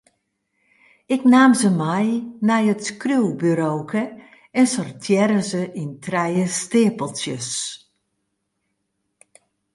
Ik naam se mei nei it skriuwburoke en sortearre se yn trije steapeltsjes.